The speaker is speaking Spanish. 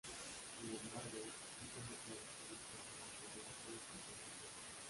Sin embargo, estas declaraciones causaron temor por su seguridad.